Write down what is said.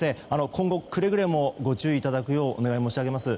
今後、くれぐれもご注意いただくようお願い申し上げます。